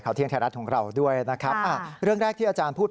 เที่ยงไทยรัฐของเราด้วยนะครับอ่าเรื่องแรกที่อาจารย์พูด